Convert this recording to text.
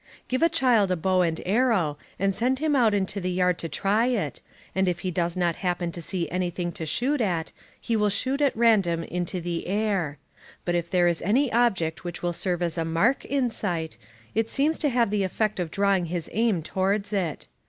Give a child a bow and arrow, and send him out into the yard to try it, and if he does not happen to see any thing to shoot at, he will shoot at random into the air. But if there is any object which will serve as a mark in sight, it seems to have the effect of drawing his aim towards it.